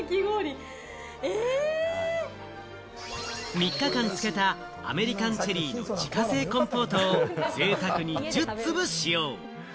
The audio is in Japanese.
３日間漬けたアメリカンチェリーの自家製コンポートをぜいたくに１０粒使用。